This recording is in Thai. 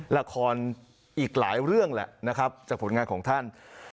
ละครอีกหลายเรื่องแหละนะครับจากผลงานของท่าน